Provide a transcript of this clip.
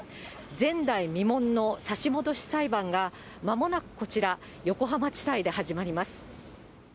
前代未聞の差し戻し裁判が、まもなくこちら、横浜地裁で始まります。